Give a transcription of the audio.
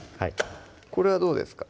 これはどうですか？